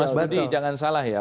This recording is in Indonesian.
mas budi jangan salah ya